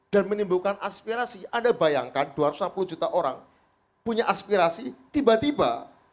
dan menimbulkan aspirasi anda bayangkan dua ratus enam puluh juta orang punya aspirasi tiba tiba